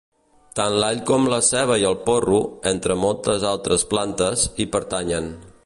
Tant l'all com la ceba i el porro, entre moltes altres plantes, hi pertanyen.